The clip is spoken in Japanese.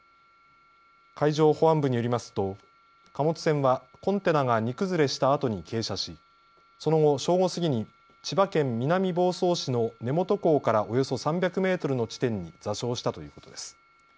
海上保安部によりますと貨物船はコンテナが荷崩れしたあとに傾斜し、その後、正午過ぎに千葉県南房総市の根本港からおよそ３００メートルの地点に座礁したということです。